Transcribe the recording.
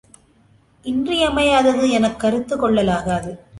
இன்றியமையாதது எனக் கருத்து கொள்ளலாகாது.